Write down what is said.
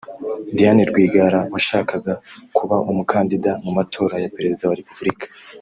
Diane Rwigara washakaga kuba umukandida mu matora ya Perezida wa Repubulika